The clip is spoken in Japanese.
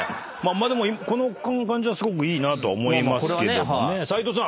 まあでもこの感じはすごくいいなとは思いますけども斎藤さん